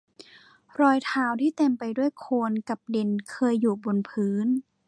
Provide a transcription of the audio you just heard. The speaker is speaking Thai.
รอยเท้าที่เต็มไปด้วยโคลนกับดินเคยอยู่บนพื้น